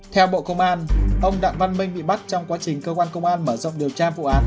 theo bộ công an ông đặng văn minh bị bắt trong quá trình cơ quan công an mở rộng điều tra vụ án